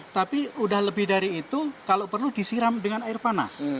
tapi sudah lebih dari itu kalau perlu disiram dengan air panas